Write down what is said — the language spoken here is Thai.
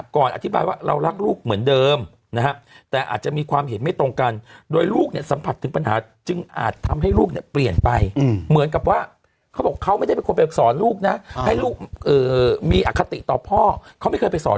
ก่อนอธิบายว่าเรารักลูกเหมือนเดิมนะฮะแต่อาจจะมีความเห็นไม่ตรงกันโดยลูกเนี่ยสัมผัสถึงปัญหาจึงอาจทำให้ลูกเนี่ยเปลี่ยนไปเหมือนกับว่าเขาบอกเขาไม่ได้เป็นคนไปสอนลูกนะให้ลูกมีอคติต่อพ่อเขาไม่เคยไปสอน